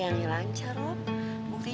aku pengen ga sih buat lo ngerti